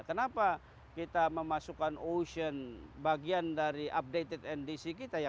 kenapa kita memasukkan ocean bagian dari updated ndc kita ya